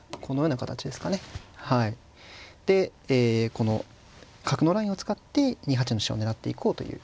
この角のラインを使って２八の飛車を狙っていこうという。